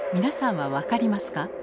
皆さんは分かりますか？